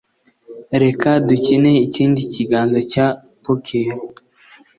Reka dukine ikindi kiganza cya poker.